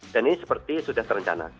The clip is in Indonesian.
dan ini seperti sudah terencana